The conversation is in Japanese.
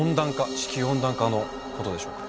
地球温暖化のことでしょうか？